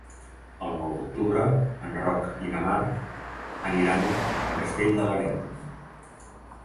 El nou d'octubre en Roc i na Mar aniran a Castell de l'Areny.